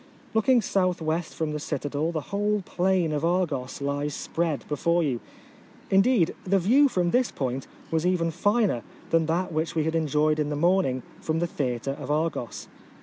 Looking S.W. from the citadel the whole plain of Argos lies spread before you. Indeed the view from this point was even finer than that which we had en joyed in the morning from the theatre of Argos.